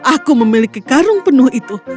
aku memiliki karung penuh itu